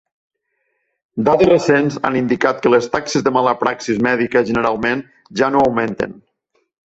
Dades recents han indicat que les taxes de mala praxis mèdica generalment ja no augmenten.